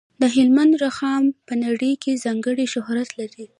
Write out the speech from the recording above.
د هلمند رخام په نړۍ کې ځانګړی شهرت لري.